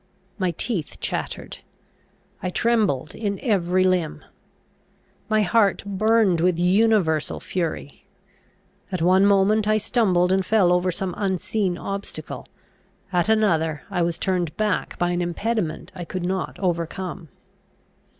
My teeth chattered. I trembled in every limb. My heart burned with universal fury. At one moment I stumbled and fell over some unseen obstacle; at another I was turned back by an impediment I could not overcome.